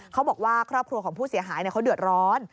เขาบอกว่าครอบครัวของผู้เสียหายเขาเดือดร้อน